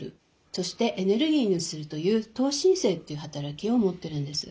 そしてエネルギーにするという糖新生という働きを持ってるんです。